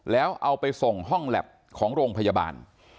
แล้วเอาไปส่งห้องแล็บของโรงพยาบาล